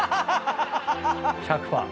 １００％。